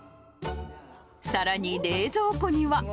さらに冷蔵庫には。